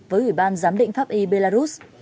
với ủy ban giám định pháp y belarus